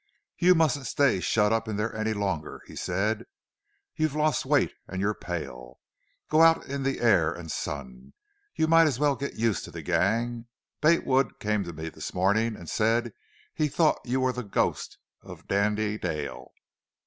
"You mustn't stay shut up in there any longer," he said. "You've lost weight and you're pale. Go out in the air and sun. You might as well get used to the gang. Bate Wood came to me this morning and said he thought you were the ghost of Dandy Dale.